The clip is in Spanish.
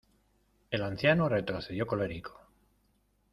El anciano retrocedió colérico.